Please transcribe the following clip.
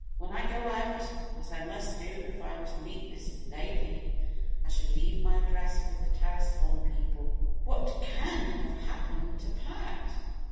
When I go out as I must do if I'm to meet the lady I shall leave my address with the Tarascon people." "What can have happened to Pat!"